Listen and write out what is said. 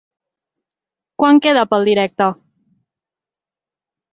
Quant queda, pel directe?